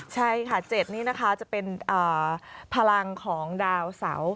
ใช่ค่ะ๗นี่นะคะจะเป็นพลังของดาวเสา